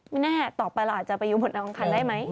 ไม่แน่ต่อไปเราอาจจะไปดูผลดาวอังคารได้ไหม